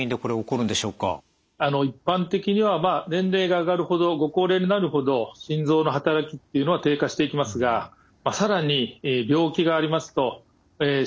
一般的には年齢が上がるほどご高齢になるほど心臓の働きっていうのは低下していきますが更に病気がありますと心臓の機能がより悪くなってしまいます。